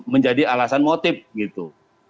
menjadi alasan motif gitu